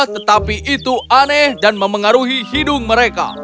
tetapi itu aneh dan memengaruhi hidung mereka